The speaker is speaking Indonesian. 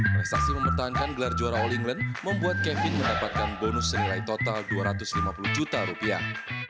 prestasi mempertahankan gelar juara all england membuat kevin mendapatkan bonus senilai total dua ratus lima puluh juta rupiah